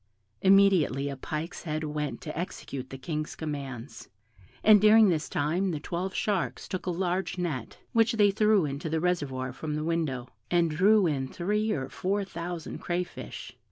Immediately a pike's head went to execute the King's commands, and during this time the twelve sharks took a large net, which they threw into the reservoir from the window, and drew in three or four thousand crayfish.